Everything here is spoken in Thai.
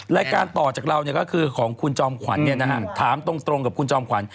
รายการต่อจากเราก็คือของคุณจอมขวัญถามตรงกับคุณจอมขวัญ